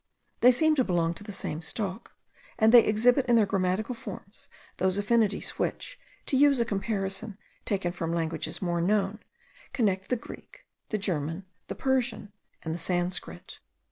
They seem to belong to the same stock; and they exhibit in their grammatical forms those affinities, which, to use a comparison taken from languages more known, connect the Greek, the German, the Persian, and the Sanscrit.